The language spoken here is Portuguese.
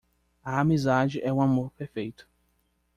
A amizade é um amor perfeito.